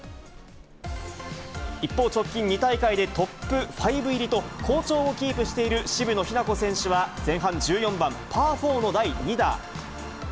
一方、直近２大会でトップ５入りと、好調をキープしている渋野日向子選手は、前半１４番パー４の第２打。